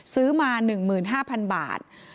ซื้อมา๑๕๐๐๐บาท